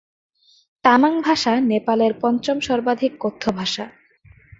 তামাং ভাষা নেপালের পঞ্চম সর্বাধিক কথ্য ভাষা।